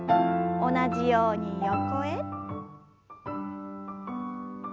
同じように横へ。